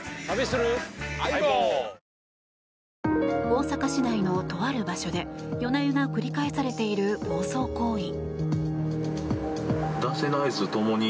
大阪市内のとある場所で夜な夜な繰り返されている暴走行為。